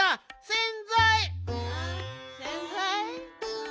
せんざい？